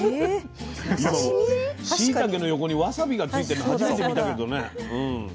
しいたけの横にわさびがついてるの初めて見たけどね。